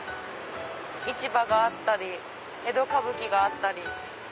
市場があったり江戸歌舞伎があったり。